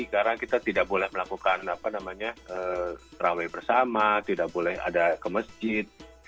karena kita tidak boleh melakukan apa namanya traweh bersama tidak boleh ada ke masjid